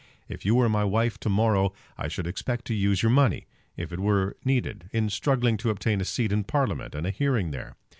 If you were my wife to morrow I should expect to use your money, if it were needed, in struggling to obtain a seat in Parliament and a hearing there.